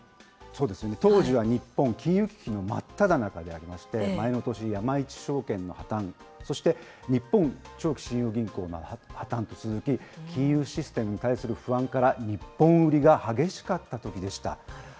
当時は日本、金融危機の真っただ中にありまして、前の年、山一證券の破綻、そして日本長期信用銀行の破綻と続き、金融システムに対する不安から日本売りが激しかったときでした。